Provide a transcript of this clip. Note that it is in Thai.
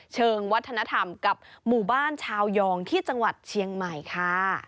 เชิงวัฒนธรรมกับหมู่บ้านชาวยองที่จังหวัดเชียงใหม่ค่ะ